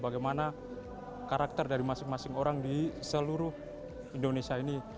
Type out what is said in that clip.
bagaimana karakter dari masing masing orang di seluruh indonesia ini